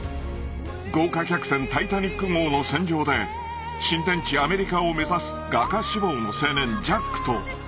［豪華客船タイタニック号の船上で新天地アメリカを目指す画家志望の青年ジャックと］